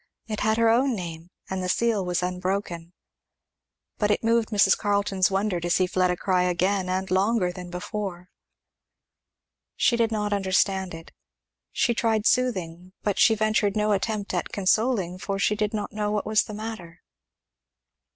It had her own name and the seal was unbroken. But it moved Mrs. Carleton's wonder to see Fleda cry again, and longer than before. She did not understand it. She tried soothing, but she ventured no attempt at consoling, for she did not know what was the matter.